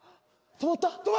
止まった！